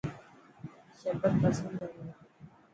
شربت پسند هي منان.